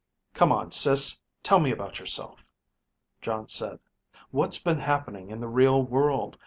"Come on, Sis, tell me about yourself," Jon said. "What's been happening in the real world.